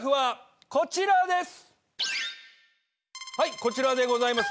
こちらでございます。